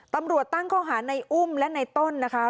ตำรวจตั้งข้อหาในอุ้มและในต้นนะคะ